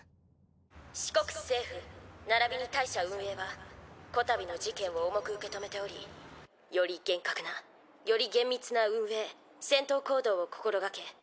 四国政府ならびに大社運営は此度の事件を重く受け止めておりより厳格なより厳密な運営戦闘行動を心掛け